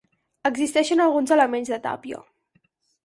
Existeixen alguns elements de tàpia.